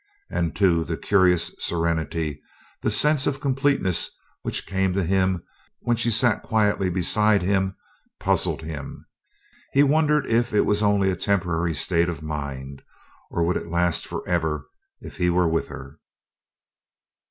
And, too, the curious serenity, the sense of completeness which came to him when she sat quietly beside him, puzzled him. He wondered if it was only a temporary state of mind, or would it last forever if he were with her.